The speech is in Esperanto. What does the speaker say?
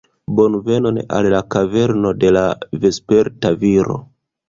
Bonvenon al la kaverno de la Vesperta Viro